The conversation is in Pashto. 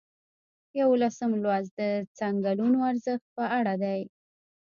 یوولسم لوست د څنګلونو ارزښت په اړه دی.